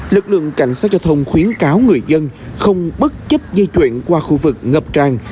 lực lượng cảnh sát giao thông khuyến cáo người dân không bất chấp di chuyển qua khu vực ngập tràn